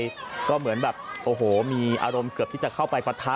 ก็เหมือนแบบโอ้โหมีอารมณ์เกือบที่จะเข้าไปปะทะ